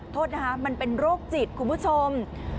โทษนะคะมันเป็นโรคจิตคุณผู้ชม